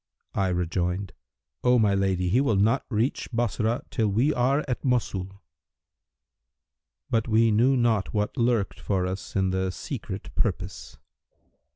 I rejoined, 'O my lady he will not reach Bassorah, till we are at Mosul.' But we knew not what lurked for us in the Secret Purpose.